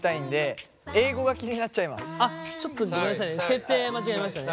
設定間違えましたね。